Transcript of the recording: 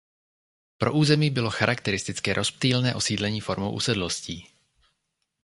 Pro území bylo charakteristické rozptýlené osídlení formou usedlostí.